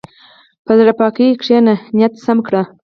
په زړه پاکۍ کښېنه، نیت سم کړه.